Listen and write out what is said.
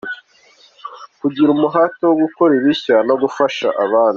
Kugira umuhate wo gukora ibishya no gufasha abandi,.